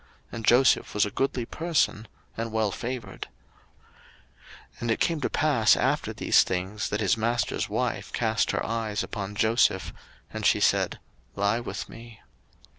And Joseph was a goodly person, and well favoured. 01:039:007 And it came to pass after these things, that his master's wife cast her eyes upon Joseph; and she said, Lie with me.